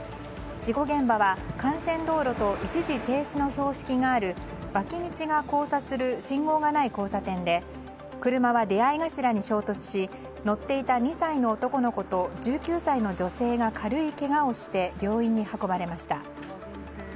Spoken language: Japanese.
事故現場は幹線道路と一時停止の標識がある脇道が交差する信号がない交差点で車は出合い頭に衝突し乗っていた２歳の男の子と１９歳の女性が軽いけがをして病院に運ばれました。